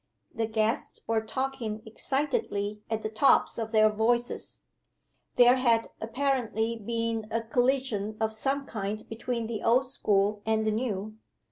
The guests were talking excitedly at the tops of their voices. There had apparently been a collision of some kind between the old school and the new.